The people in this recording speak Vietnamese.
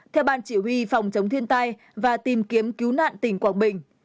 theo ban chỉ huy phòng chống thiên tai và tìm kiếm cứu nạn tỉnh quảng bình